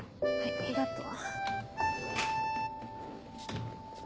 ありがとう。